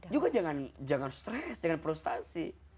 juga jangan stres jangan frustasi